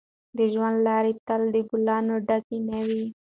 د ژوند لاره تل له ګلانو ډکه نه وي.